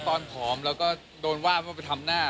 ตอนผอมแล้วก็โดนว่าว่าไปทำหน้า